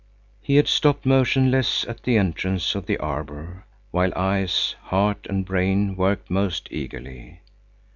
He had stopped motionless at the entrance of the arbor, while eyes, heart and brain worked most eagerly.